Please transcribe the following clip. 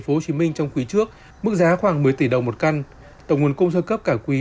phố hồ chí minh trong quý trước mức giá khoảng một mươi tỷ đồng một căn tổng nguồn cung sơ cấp cả quý